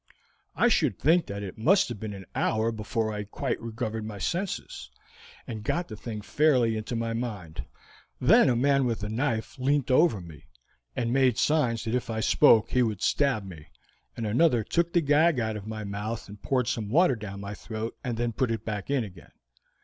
"I should think that it must have been an hour before I quite recovered my senses, and got the thing fairly into my mind. Then a man with a knife leant over me, and made signs that if I spoke he would stab me, and another took the gag out of my mouth and poured some water down my throat, and then put it in again.